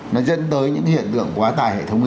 nó dẫn tới những hiện tượng quá tài hệ thống y tế